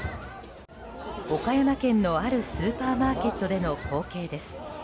岡山県のあるスーパーマーケットでの光景です。